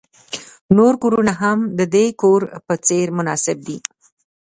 نور کورونه هم د دې کور په څیر مناسب دي